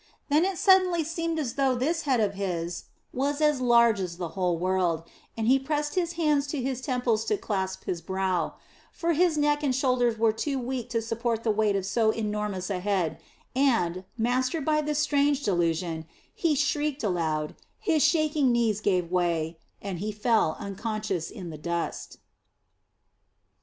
Then it suddenly seemed as though this head of his was as large as the whole world, and he pressed his hands on his temples to clasp his brow; for his neck and shoulders were too weak to support the weight of so enormous a head and, mastered by this strange delusion, he shrieked aloud, his shaking knees gave way, and he fell unconscious in the dust.